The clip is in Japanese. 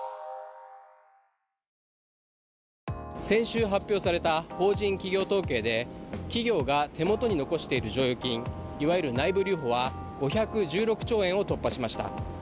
先週発表された法人企業統計で企業が手元に残している剰余金いわゆる内部留保は５１６兆円を突破しました。